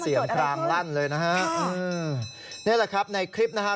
เสียงแพรงลั่นเลยนะฮะนี่แหละครับในคลิปนะฮะ